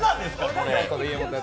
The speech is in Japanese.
これ。